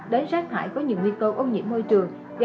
đến rác thải có nhiều nguy cơ ô nhiễm môi trường